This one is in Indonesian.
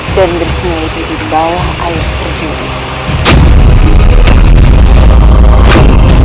dan bersembunyi di bawah air terjun itu